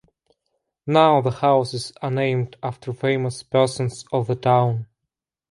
Now the houses are named after famous persons of the town.